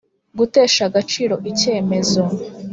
gutesha agaciro icyemezo